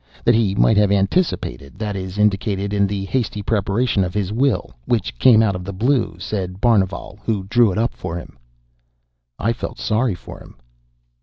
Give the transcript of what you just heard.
That he might have anticipated that is indicated in the hasty preparation of his will, which came out of the blue, said Barnevall, who drew it up for him. "I felt sorry for him."